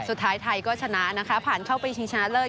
สุดท้ายไทยก็ชนะนะคะผ่านเข้าไปชิงชนะเลิศ